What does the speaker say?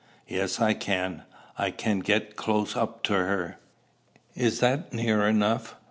"Yes, I can. I can get close up to her." "Is that near enough?